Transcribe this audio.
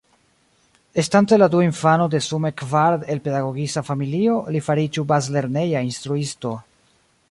Estante la dua infano de sume kvar el pedagogista familio li fariĝu bazlerneja instruisto.